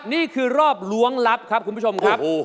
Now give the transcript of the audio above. นี่คือรอบล้วงลับครับคุณผู้ชมครับ